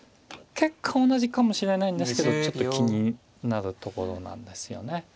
結果同じかもしれないんですけどちょっと気になるところなんですよね。